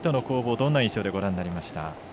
どんな印象でご覧になりました？